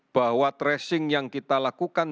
bahwa tracing yang kita lakukan